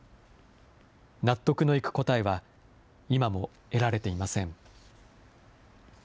納得のいく答えは今も得られていません。